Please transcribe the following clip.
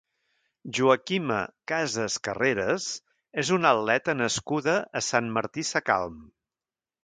Joaquima Casas Carreras és una atleta nascuda a Sant Martí Sacalm.